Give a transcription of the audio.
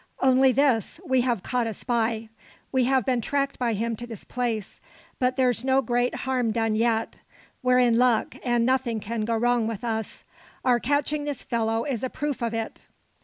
"Only this: we have caught a spy. We have been tracked by him to this place. But there's no great harm done yet. We're in luck, and nothing can go wrong with us. Our catching this fellow is a proof of it."